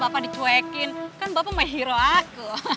bapak dicuekin kan bapak mah hero aku